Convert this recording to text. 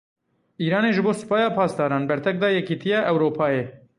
Îranê ji bo Supaya Pasdaran bertek da Yekîtiya Ewropayêyê.